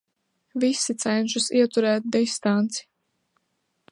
Visi cenšas ieturēt distanci.